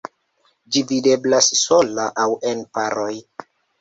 Ĝi videblas sola aŭ en paroj.